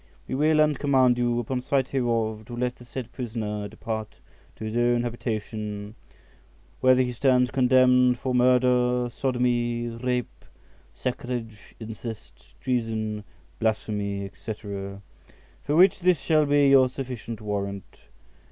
We will and command you, upon sight hereof, to let the said prisoner depart to his own habitation, whether he stands condemned for murder, sodomy, rape, sacrilege, incest, treason, blasphemy, &c., for which this shall be your sufficient warrant.